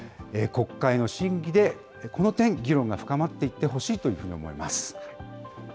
国会の審議でこの点、議論が深まっていってほしいと思います。